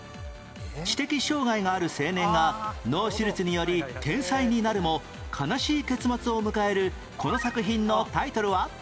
知的障がいがある青年が脳手術により天才になるも悲しい結末を迎えるこの作品のタイトルは？